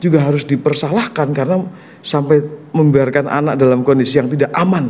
juga harus dipersalahkan karena sampai membiarkan anak dalam kondisi yang tidak aman